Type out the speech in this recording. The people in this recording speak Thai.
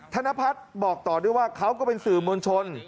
ธนพัฒน์บอกต่อด้วยว่าเขาก็เป็นสื่อมวลชน